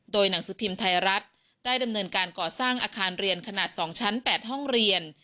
โดยหนังสือพิมพ์ไทยรัฐได้ดำเนินการก่อสร้างอาคารเรียนขนาด๒ชั้น๘ห้องเรียน